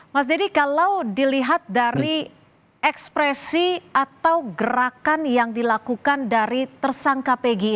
mas deddy kalau dilihat dari ekspresi atau gerakan yang dilakukan dari tersangka pgi